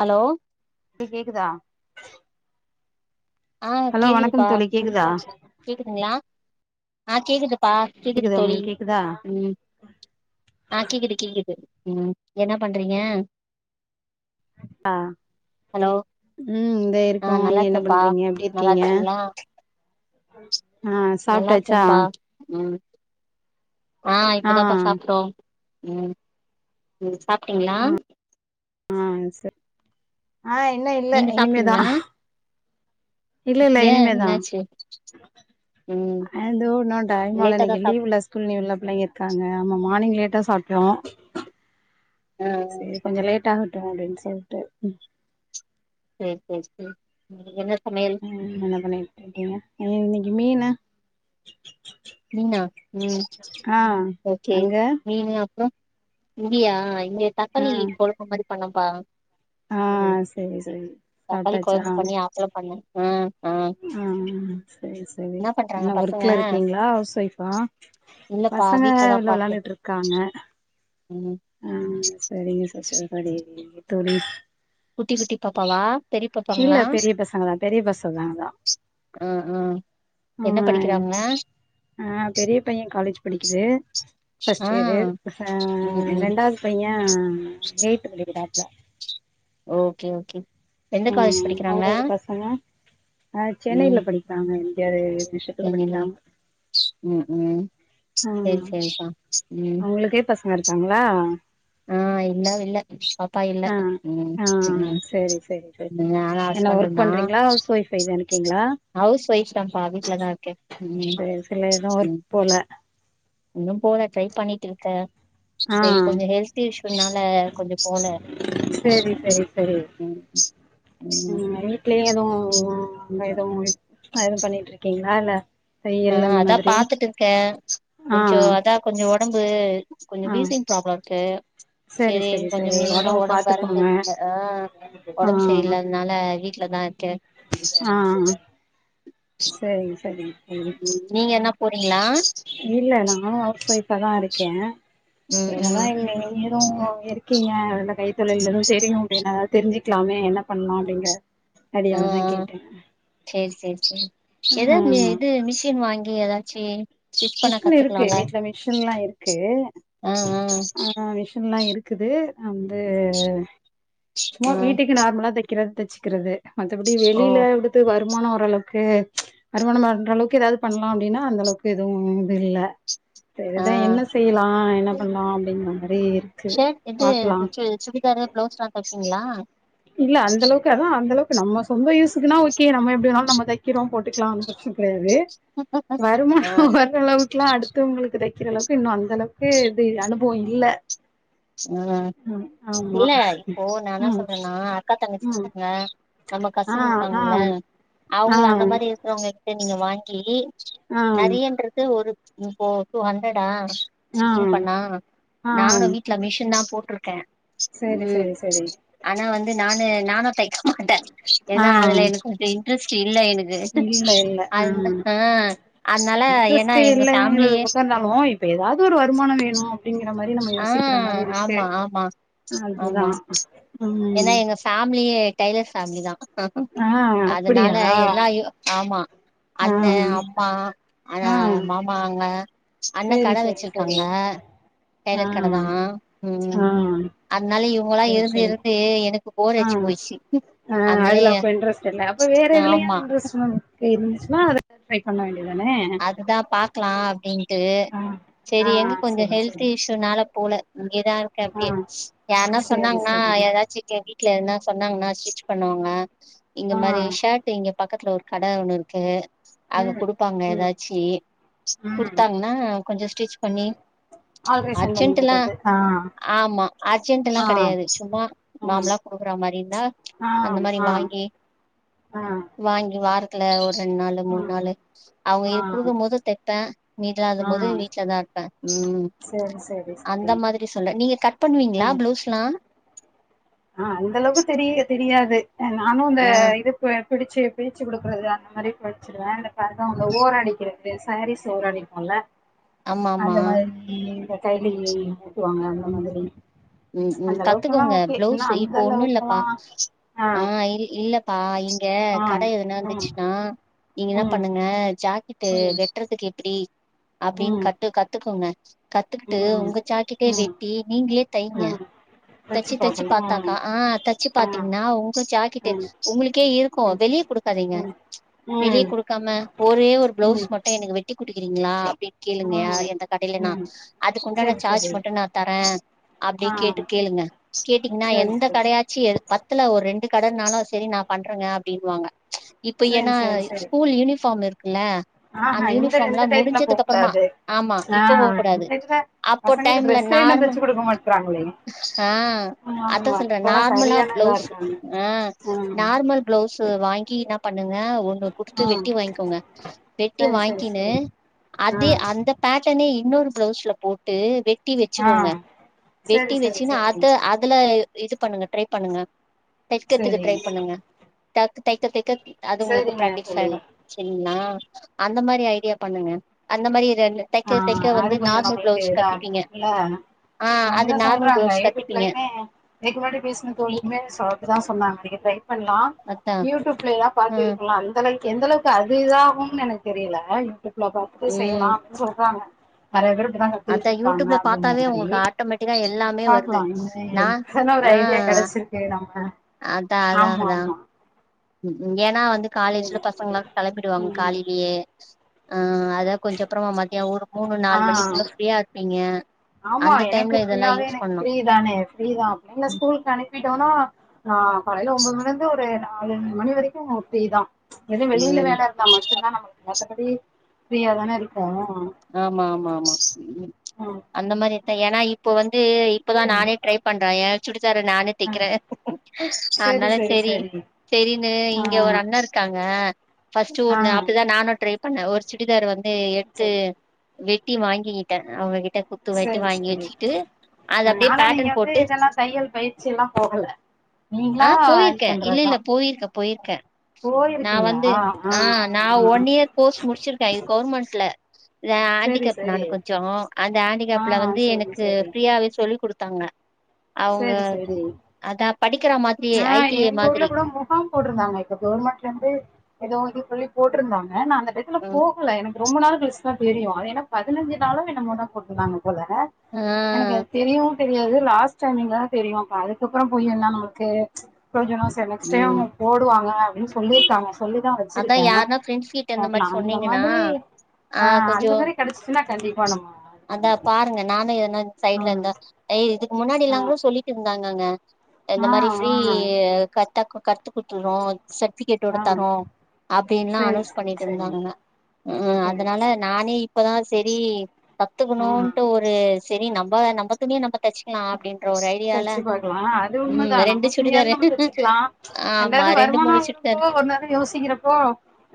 hello இப்ப கேக்குதா ஆ ஹலோ வணக்கம் கேக்குதுப்பா தோழி கேக்குதா அ கேக்குது கேக்குதா தோழி உங்களுக்கு கேக்குதா ஆ கேக்குது கேக்குது ம் என்ன பண்றிங்க ஹலோ ம் தோ ஆ இருக்கோம் நல்லா நீங்க என்ன இருக்கேன்ப்பா பண்றீங்க எப்டி இருக் நல்லா கீங்க இருக்கீங்களா ஆ நல்லா சாப்ட்டாச்சா இருக்கேன்ப்பா ம் ஆ இப்பதாப்பா சாப்ட்டோ ம் ம் சாப்ட்டீங்ளா ஆ சேரி ஆ இன்ன இல்ல நீங்க இனிமேதா சாப்ட்டீங்களா இல்ல இல்ல ஏ இனிமேதா என்னாச்சு ம் அ இதோ நா டைம்மால லேட்டாதா இன்னைக்கு சாப் லீவுல ஸ் ஸ்கூல்ல எவ்ளோ பிள்ளைங்க இருக்காங்க ஆமா மார்னிங் லேட்டா சாப்ட்றோ ஆ ஆ கொஞ்ச லேட் ஆகட்டு அப்டின் சொல்ட்டு ம் சேரி சேரி சேரி இன்னைக்கு என்ன சமையல் ம்ம் என்ன பண்ணிக்கிட்ருக்கீங்க அ இன்னைக்கு மீனா மீனா ம் ஓகே அங்க மீனு அப் அப்றோ இங்கயா இங்க ஆ தக்காளி கொழம்பு மாரி பண்ணம்ப்பா ஆ ம் சரி சரி தக்காளி கொழம்பு சாப்ட்டாச்சா பண்ணி அப்பள பண்ணே ஆ ஆ சேரி சேரி பண்றாங்க என்ன பசங்க ஒர்க்ல இருக்கீங்ளா ஹவுஸ் ஒய்ஃபா இல்லப்பா பசங்க வீட்லதாப்பா வெள்ல இருக்கே வெளாண்டுக்கிட்ருக்காங்க ம் ஆ செரிங்க சிஸ்டர் [unintelligible] தோழி குட்டி சுட்டி பாப்பாலா இல்ல பெரிய பசங்க தா பெரிய பசங் அதா அதா ஆ ஆ என்ன படிக்கிறாங்க ஆ பெரிய பைய காலேஜ் படிக்குது ஃபஸ்ட் ஆ இயாரு ஆ ம் ம் ரெண்டாவ்து பைய எய்ட்த்து முடிக்கிறாப்ல ஓகே ஓகே எந்த காலேஜ் படிக்கிறாங்க அ ஆ ம் சென்னைல படிக்கிறாங்க இந்தியால நிஷத்துல சென்னைலதா படிக்கிறாங்க ம் ம் ஆமா சேரி சேரிப்பா ம் அவுங்களுக்கே பசங்க இருக்காங்களா ஆ இல்லவ் இல்ல பாப்பா இல்ல ஆ ம் ஆ ம் செரி செரி நானு என்ன ஹஸ்பண்டு ஒர்க் தா பண்றீங்ளா ஹவுஸ் வொய்ஃப்ஃபை தா இருக்கீங்களா ஹவுஸ் ஒய்ஃப் தாம்ப்பா வீட்ல தா இருக்கே ம் செரி சில எதுவு ஒர்க் ம் போல இன்னும் போல ட்ரை பண்ணிட்டு இருக்கே ஆ சேரி கொஞ்ச ஹெல்த் இஷ்யூனால கொஞ்ச போல செரி செரி செரி ம் ம் அதா வீட்லயே எதுவு ஆ அங்க எதுவு ஒரு ஹைரல் பண்ணிட்ருக்கீங்களா இல்ல ஆ தையல் அந்த அதா மாதிரி பாத்துட்டு இருக்கே ஆ கொஞ்ச அதா கொஞ்ச ஒடம்பு கொஞ்ச ஆ வீசிங் ப்ராப்ள இருக்கு செரி சேரி செரி கொஞ்ச செரி மீனு‌ ஒடம்ப ஒடம்பு பாத்துக்கோங்க வறுத்தெடுக்ல ஆ ஆ ஒடம்பு செரியில்லாதனால வீட்லதா இருக்கே ஆ செரிங்க செரிங்க தோ ம் நீங்க என்ன போறீங்களா இல்ல நானு ஹவுஸ் ஒய்ஃபா தா இருக்கே ம் என்னதா ம் இங்க இருந் நீரு இருக்கீங்க அந்த கைத்தொழில் எதுவு தெரியு அப்டினா அத தெரிஞ்சுக்லாமே என்னப் பண்லா அப்டிங்க ஆ ஆ சேரி சேரி சேரி எதா ஆ மெ இது மிஷின் வாங்கி எதா சேரி மிஷின் இருக்கு வீட்ல மிஷின்லா இருக்கு ஆ ஆ ஆ மிஷின்லா இருக் குது நா வந்து சும்மா ஆ வீட்டுக்கு நார்மலா தெக் க்கிறத் தச்சுகிறது மத்தபடி ஓ வெளில அப்டித் து வருமானோ ஓரளவுக்கு வருமானம் பண்ற அளவுக்கு எதாவது பண்லா அப்டினா அந்தளவுக்கு எதுவு இது இல்ல ஆ செரிதா என்ன செய்யிலா என்னப் பண்லா அப்டிங்கிற மாரி இருக்கு பாக்லா து சுடிதாருப் பிளவுஸ்லா தெப்பீங்ளா இல்ல அந்தளவுக்கு அதா அந்தளவுக்கு நம்ம சொந்த யூசுக்குனா ஓகே நம்ம எப்டி வேணாலு நம்ப தெக்கிறோம் போட்டுக்லா ஒன்னு பிரச்சன கெடையாது வருமானோ ம் வரு ரளவுக்லா அடுத்தவுங்ளுக்கு தெக்கிற அளவுக்கு இன்னு அந்தளவுக்கு இது அனுபவோ இல்ல அ ம் ஆமா இல்ல இப்போ நானா ம் சொல்றன் னா அக்கா ம் தங்கச்சிங்க நம்ம ஆ கசின் ஆ இருக்காங்கள ஆ அவுங்ள அந்த மாரி றவுங்ககிட்ட நீங்க வாங்கி ஆ நெறையன்றது ஒரு இப்போ டூ ஹண்ட்ரடா ஆ ஸ்டிச்சிங் பண்ணா ஆ நானு வீட்டல மிஷின்தாம் போட்ருக்கே சேரி ம் சேரி சேரி ஆனா வந்து நானு நானு தெக்க மாட்டே ஆ எனா அதுல எனுக்கு கொஞ்சோ இன்ட்ரெஸ்ட் இல்ல எனுகு து இல்ல இல்ல ஆ அது இந்த அ அதனால எனா எங்க ஃபேம்லியே போ இப்ப எதாவது ஒரு வருமானோ வேணு அப்டிங்கிற மாரி நம்ம ஆ யோசிக்ற மாரி இருக்கு ஆமா ஆமா அதுதா ம் ஃபேம்லியே டைலர் ஃபேம்லிதா ஆ அதனால அப்படியா எல்லாயோ ஆமா ஆ அண்ணே அம்மா ஆனா ஆ மாமாங்க அண்ணே சேரி கட சேரி வெச்சிருக்காங்க சேரி ஆ டெய்லர் கடதா ம் ஆ அத்னால இவுங்களா சேரி இருந்து சேரி இருந்து எனுக்கு போர் அடிச்சு போயிச்சு அ அதுல அதனாலயே அப்ப இன்ட்ரெஸ்ட் இல்ல அப்ப வேற எதுலியா ஆமா இன்ட்ரெஸ்ட் [unintelligible] கே இருந்ச்சுனா அத ட்ரைப் பண்ண வேண்டியதானே அதுதா பாக்லா அப்டின்ட்டு ஆ ஆ செரி எங்க கொஞ்சோ சரி ஹெல்த் சரி இஷ் து நாலப் போல இங்கியேதா இருக்கே ஆ அப்டியே யார்னா சேரி சொன்னாங்னா சரி எதாச்சி எ வீட்ல எதனா சொன்னாங்னா ஸ்டிட்ச் பண்ணுவாங்க இந்த ஆ மாரி ஷர்ட்டு இங்க பக்கத்ல ஒரு கட ஒன்னு இருக்கு அங்க ம் குடுப்பாங்க ம் ச்சி ம் குடுத்தாங்னா கொஞ்சோ ஸ்டிச் பண்ணி ஆல்ட்ரேஷன் பண்ணி அர்ஜென்ட்டுலா குடுக்கறது ஆ ஆமா அர்ஜென்ட்டுலாங் ஆ கெடையாது சும்மா ஆ நாம்லா குடுக்கற மாரி இந்தா அந்த மாரி வாங்கி அ வாய்ங்கி வாரத்ல ஒரு ரெண் நாளு மூன் நாளு அவுங்க இ ஆ குடுக்கும் போது தெப்பே ஆ ஆ நீட்டாதம்போது வீட்லதா இருப்பே ம் சரி சரி அந்த சரி மாதிரி சொல்லே நீங்க கட் பண்வீங்ளா ப்ளவுஸ்லா அ அந்தளவுக்கு தெரிய தெரியாது நானு இந்த ஆ இதுப் பே பிடிச்சி பிடிச்சி குடுக்றது அந்த மாரி பிட்ச்சிடுவே இந்த பதோ இந்த ஓரடிக்கிறது சாரீஸ் ஓரோ அடிப்போல ஆமா ஆமா அந்த மாரி இந்தத் தைலி டுவாங்க அந்த ம் மாதிரி ம் ம் அந்த அளவுக்குல்லா கத்துக்கோங்க ஓக் இட்னா ப்ளவுஸ் அந்தளவுக்கலா ஆ நைல் இல்லப் பா இங்க ஆ கட எதுனா ம் இந்துச்சுனா நீங்க என்னாப் ம் பண்ணுங்க ஜாக்கிட்டு ம் வெட் ட்றதுக்கு எப்டி அப்டின் ம் கத்து கத்துகோங்க கத்துகிட்டு ம் உங்க ஜாக்கிட்டே ம் வெட் ட்டி நீங்ளே தைங்க ம் வச்சு தச்சி தச்சிப் பாக்கணு பாத்தாக்கா ம் ஆ தச்சுப் ஆ பாத்தீங்னா உங்க ஜாக்கிட்டே ம் உங்ளுக்கே இருக்கு ம் வெளிய குடுக்காதீங்க வெளியே ம் குடுக்காம ஒரே ஒரு ம் ப்ளவுஸ் ம் மட்டு எனக்கு வெட்டி குடிக்கிறீங்களா அப்டின் ஆ கேளுங்க எந்த கடையிலன்னா ம் அதுக்குண்டான செரி சார்ஜ் செரி மட்டு நா தரே அப்டி ஆ கேட்டு கேளுங்க கேட்டீங்கன்னா செரி எந்த செரி கடையா ச்சு பத்துல ஒரு ரெண்டு கடன்னாலு சரி நா பண்றேங்க அப்டின்னுவாங்க இப்ப செரி ஏன்னா செரி செரி ஸ்கூல் யூனிஃபார்ம் இருக்குல்ல ஆஹா அந்த இந்த யூனிஃபார்ம் இந்த எல்லா டைப்ல போ முடிஞ்சது அப்புறமா கூடாது ஆமா ஆ இப்ப போகக்கூடாது இந்த இதுல அப்போ பசங்களுக்கு டைம்ல ட்ரெஸ்ஸே இன்னு நார்மல் தச்சு குடுக்க மாட்றாங்களே ஆ அதா ஆமா சொல்றே இப்பல்லா நார்மலா சரியான இதா ப்ளவுஸ் இருக்காங்க ம் நார்மல் ப்ளவுஸ்சு வாங்கி என்னா பண்ணுங்க ஒ ன்னு குடுத்து ஆ வெட்டி வாங்கிக்கோங்க வெட்டி செரி செரி வாங்கின்னு செரி ஆ அது அந்த பேட்டர்னே இன்னொரு ப்ளவுஸ்ல போட்டு வெ ட்டி ஆ வச்சுக்கோங்க செரி வெட்டி செரி வச்சுனா அத செரி அதுல இது பண்ணுங்க ட்ரை பண்ணுங்க தைக்கத்துக்கு செரி ட்ரை பண்ணுங்க த தைக்க தைக்க அது உங்களுக்கு செரிங்க ப்ராக்டிஸ் தோழி ஆயிடு சரிங்களா அந்த மாரி ஐடியா பண்ணுங்க அந்த மாரி ரெண்டு ஆ தைக்க தைக்க வந்து நார்மல் ப்ளவுஸ் கத்துப்பீங்க லா ஆ அது நார்மல் ப்ளவுஸ் கத்திப்பீங்க ஆ இதுக்கு முன்னாடி பேசின தோழி [unintelligible] சொன்னாங்க ட்ரை பண்ணலா அதா யூடியூப்லதா பாத்து ம் இருக்கலா அந்தளவுக்கு எந்தளவு அது இதாகும்னு எனக்கு தெரியல யூடியூப் இள பாத்தட்டு ம் செய்யலா சொல்றாங்க நெறைய பேரு இப்பதாங்க அதா குளிச்சுருக்காங்க யூடியூப்ல அப்படின்ற பாத்தாவே மாரி உங்களுக்கு ஆட்டோமேட்டிக்கா எல்லாமே வருது பாக்கலா இனிமே நா அதல்லா ஒரு ஆ ஐடியா கெடைச்சிருக்கு நம்ம அதா அதா ஆமா அதா ஆமா ம் ம் இங்க ஏன்னா வந்து காலேஜ்ல சேரி சேரி பசங்களா கெளம்பிடுவாங்க ம் காலையிலயே ஆ அதா கொஞ்ச அப்பறமா மத்திய ஒரு மூணு நாலு ஆ மணிக்குள்ள ஃப்ரீயா இருப்பீங்க ஆமா அந்த எனக்கு டைம்ல இதெல்லா ஃபுல்லாவே யூஸ் எனக்கு பண்ணலா ஃப்ரீதானே ஃப்ரீ தா அப்பற என்ன ஸ்கூலுக்கு அனுப்பிட்டோன்னா ஆ காலையில ஒம்போது மணிலருந்து ஒரு நாலஞ்சு மணி வரைக்கு பிரீ தா ஏதுவு வெளியில ம் வேல இருந்தா மட்டுந்தா நம்மளுக்கு மத்தபடி ஃப்ரீயா தான இருக்கோ ஆமா ஆமா ஆமா ம் அந்த மாரி ஏன்னா இப்ப வந்து இப்பதா ம் நானே ட்ரை பண்றே ஏ சுடித்தார நானே ஆ ட்டிக்கிறே அதனால சரி சரின்னு ஆ இங்க ஒரு அண்ண இருக்காங்க ஃபர்ஸ்ட்டு ஆ ஒண்ணு அப்படிதா நானு ட்ரை பண்ணே ஒரு சுடிதார் வந்து எடுத்து சரி வெட்டி வாங்கிக்கிட்டே அவங்ககிட்ட த்து வெட்டி சரி வாங்கி சரி வச்சுட்டு அது ஆ, அப்டியே ஆனா நீங்க பேட்டன் வந்து போட்டு இதெல்லா தையல் பயி ற்சிலா போகல ஆ நீங்களா இது போயிருக்கே இல்ல பண்றதுதா இல்ல போயிருக்கே போயிருக்கே நா வந்து ஆ நா ஆ ஒன் இயர் கோர்ஸ் முடிச்சிருக்கே இது கவுர்மெண்ட்ல இத சரி ஆண்டிகேப் நா சரி கொஞ்ச அந்த ஆ ஆண்டிகேப்ல வந்து சரி எனக்கு சரி ஃப்ரீயாவே சொல்லி குடுத்தாங்க அவங்க சரி சரி அதா படிக்கிற மா ஆ எங்க ஊர்ல கூட மொ பார்ம் போட்ருந்தாங்க இப்ப கவுர்மெண்ட்ல இருந்து ஏதோ இது சொல்லி போட்ருந்தாங்க நா அந்த டத்துல ம் போகல எனக்கு ரொம்ப நாள் கழிச்சுதா தெரியு ஏன்னா பதினஞ்சு நாளு என்னமோதா போட்ருந்தாங்க போல எனக்கு ஆ தெரியவு தெரியாது லாஸ்ட் டைமிங்க தா தெரியு அப்ப அதுக்கப்பற போய் என்னான் நம்மக்கு ப்ரயோஜனம் நெக்ஸ்ட் ம் டைம் போடுவாங்க அப்டின் சொல்லி அதா யாருன்னா ஃபிரெண்ட்ஸ் கிட்ட இந்த மாரி பாக்கலா அந்த சொன்னீங்கனா மாதிரி ஆ கொஞ்சோ அந்த மாரி கெடச்சிச்சுன்னா கண்டிப்பா நம்ம இது அதா பண்றோ பாருங்க நானு என்னான் ஆ சைட்ல இந்த ய் இதுக்கு முன்னாடில்லாங் கூட சொல்லிட்டு இருந்தாங்கங்க இந்த ஆ ஆ மாரி ஃப்ரீ கத்தா கத்து குடுத்துறோ சர்டிபிகேட்டோட ஆ ஆ தரோ அப்டின்லா சேரி அனவுஸ் சேரி பண்ணிட்டு சேரி இருந்தானுங்க ம் சேரி அதனால நானே இப்பதா செரி சேரி ஆ கத்துக்கணுன்ட்டு ஒரு செரி நம்ம நம்ப துணிய நம்ம தச்சு ம் அப்டின்ற ஒரு ஐடியால தச்சு பாக்கலா அது உண்மதா ம் ரெண்டு நம்ம துணியாவது சுடிதாரு நம்ம தச்சுக்கலா ஆமா ரெண்டாவது ரெண்டு வருமான மூணு இருப்போ சுடிதாரு ஒரு நாது யோசிக்கிறப்போ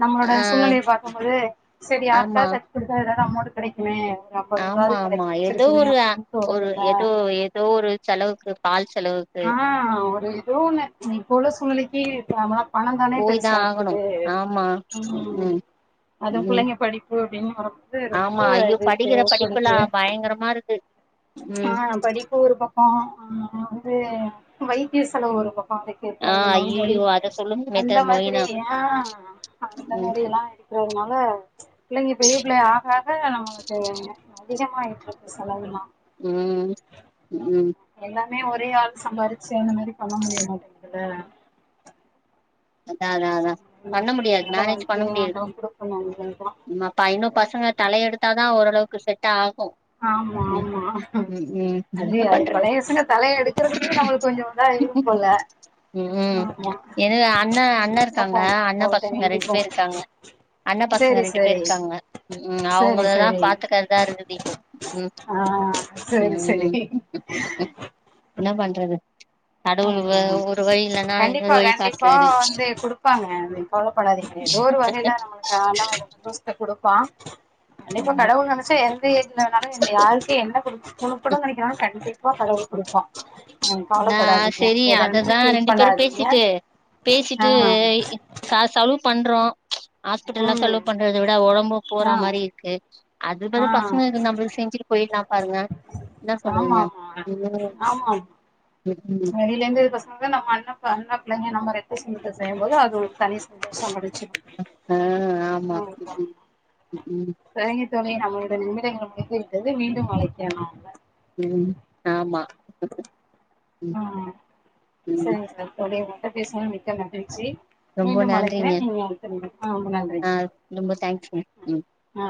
நம்மளோட ஆ சூழ்நிலைய பாக்கு போது சரி யாருக்கா ஆமா தச்சு குடுத்தா எதா அமௌண்டு கெடைக்குமே ஒரு ஆமா ஐம்பதுருபாவது ஆமா ஏதோ கெடைச்சிருக்குமே ஒரு அ அப்டின்னு ஒரு தோணுதுல ஏதோ ஏதோ ஒரு செலவுக்கு பால் செலவுக்கு ஆனா ஒரு எதோ ஒன்னு இப்ப உள்ள சூழ்நிலைக்கு பண பணம் தான போய் தான் ஆகணும் பெருசாக்குது ஆமா உ ம் அதுவு ம் பிள்ளைங்க படி புரோட்டின் ரொம்ப ஆமா ஐயோ இது படிக்கிற தேவைப்படுது படிப்புலாம் பயங்கரமா இருக்கு ஆ ம் படிப்பு ஒரு பக் ப வந்து வைத்திய செலவு வரும்ல பாடெக்ட் ஆ சேப்லங்க நோய் நொடி ஐயையோ அத சொல்லுங்க அந்த மிஸ்டர் மாதிரி மொய்னா ஆ அந்த ம் மாரிலா ஓம் நாள பிள்ளைங்க பெரிய பிள்ளை ஆக ஆக நம்மளுக்கு அதிகமாயிட்டு இருக்கு செலவுலா ம் ம் எல்லாமே ஒரே ஆள் சம்பாரிச்சு அந்த மாரி பண்ண முடிய மாட்டிக்குது அதா அதா அதா என்ன நல்ல வாழ்க்கைய ஆண்டவ குடுக்கணு அவ்ளோ தா உங்க பயனு பசங்க தலைய எடுத்தாதா ஓரளவுக்கு செட் ஆகு ஆமா ஆமா அதி என்ன அது பண்றது பழையசங்க தலையை எடுக்கறதுமே நம்மளுக்கு கொஞ்சோ இதா ஆயிடு போல ம் ஆமா எனக்கு அண்ண அண்ண இருக்காங்க பாப்போ அண்ண கடவுள்ட்ட பசங்க ரெண்டு வேண்டிப்போ பேர் இருக்காங்க அண்ண பசங்க சேரி ரெண்டு பேர் சேரி இருக்காங்க ம்க்கு சேரி அவங்களதா சேரி பாத்துக்கிறதுதா இருந்து து இப்போ ம் ஆ சேரி சேரி ம் என்ன பண்றது கடவுள் ம் ஒரு வழி இல்லனா இன்னொரு கண்டிப்பா வழி கண்டிப்பா காட்றாரு வந்து குடுப்பாங்க நீங்க கவலைப்படாதீங்க எதோ ஒரு வகையில நம்மளுக்கு ஆண்டவ எவ்ளோ குடுப்பா கண்டிப்பா ஆமா கடவுள் நெனைச்சா இது என்னனாலு யாருக்கு என்ன குடுக்கணுன் நெனைக்கிறானோ கண்டிப்பா கடவுள் குடுப்பா ம் காலப் ஆ செரி அத தா ரெண்டு பேரு பேசிட்டு ஆ பேசிட்டு அ காஸ் செலவு பண்றோ ஹாஸ்பிட்டல்லா செலவு ம் பண்றது விட உடம்பு ஆ போற மாரி இருக்கு அது ஆ பதிலா பசங்களுக்கு நம்மளுக்கு செஞ்சு போயிர்லா பாருங்க என்ன ஆமா சொல்றீங்க மா ம் ஆமா ம் வெளிலருந்து பசங்க நமக்காக நம்ம அண்ண அண்ணன் பிள்ளைங்க நம்ம ரத்த சொந்தத்தை செய்யும் போது அது ஒரு தனி சந்தோஷம் முடுஞ்ச்சு அ ஹ் ஹ ஆமா ம் ம் சரிங்க தோழி நம்மளுடைய நிமிடங்கள் முடிந்து விட்டது மீண்டு அழைக்கிற நாங்க ம் ஆமா ஆ ம் ம் சரிங்க சரி தோழி உங்கள்ட்ட பேசினது மிக்க மகிழ்ச்சி ரொம்ப மீண்டும் நன்றிங்க அழைக்கிறேன் நீங்க [unintelligible] ஆ ரொம்ப நன்றி ஆ ரொம்ப தேங்க்ஸ்ங்க ம் அ